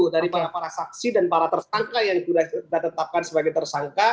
dari para saksi dan para tersangka yang sudah kita tetapkan sebagai tersangka